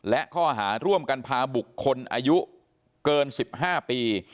และข้อหาร่วมกันพาบุคคลอายุเกิน๑๕ปี